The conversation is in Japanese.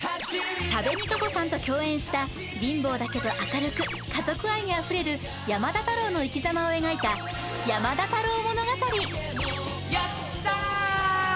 多部未華子さんと共演した貧乏だけど明るく家族愛にあふれる山田太郎の生きざまを描いたやった！